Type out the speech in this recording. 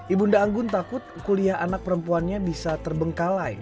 ibu nda anggun takut kuliah anak perempuannya bisa terbengkalai